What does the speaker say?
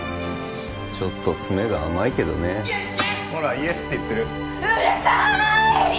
ちょっと詰めが甘いけどねイエスイエス！ほらイエスって言ってるうるさーい！